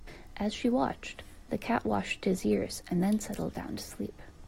As she watched, the cat washed his ears and then settled down to sleep.